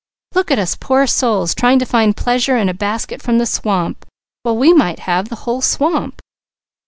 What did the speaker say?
Look at us poor souls trying to find pleasure in a basket from the swamp, when we might have the whole swamp.